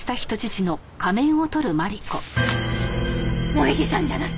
萌衣さんじゃない！